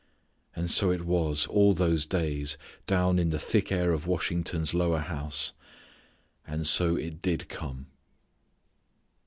And so it was coming all those days down in the thick air of Washington's lower house, and so it did come.